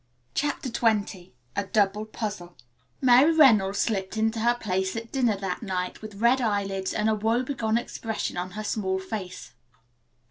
CHAPTER XX A DOUBLE PUZZLE Mary Reynolds slipped into her place at dinner that night with red eyelids and a woebegone expression on her small face.